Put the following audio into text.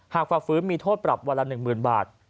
หากฝากฟื้นมีโทษปรับวันละ๑มื่นบาท